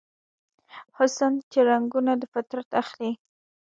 حسن چې رنګونه دفطرت اخلي